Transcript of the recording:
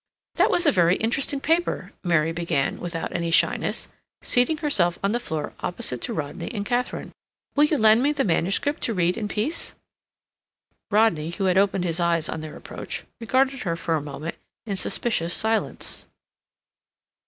"That was a very interesting paper," Mary began, without any shyness, seating herself on the floor opposite to Rodney and Katharine. "Will you lend me the manuscript to read in peace?" Rodney, who had opened his eyes on their approach, regarded her for a moment in suspicious silence.